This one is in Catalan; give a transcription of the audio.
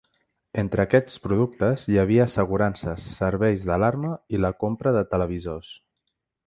Entre aquests productes, hi havia “assegurances, serveis d’alarma i la compra de televisors”.